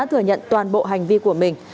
thừa nhận toàn bộ hành vi của mình